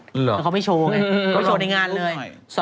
แล้วเขาไม่โชว์ไงเขาโชว์ในงานเลย